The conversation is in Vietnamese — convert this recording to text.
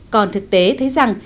còn thực tế thấy rằng